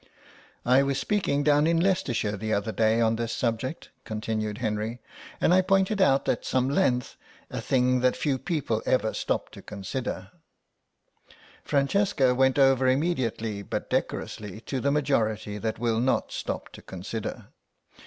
"I was speaking down in Leicestershire the other day on this subject," continued Henry, "and I pointed out at some length a thing that few people ever stop to consider—" Francesca went over immediately but decorously to the majority that will not stop to consider.